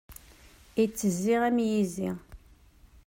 Ittezzi am yizi.